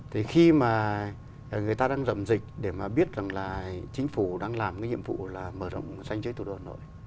thì khi mà người ta đang dậm dịch để mà biết rằng là chính phủ đang làm cái nhiệm vụ là mở rộng danh chế tù đồn rồi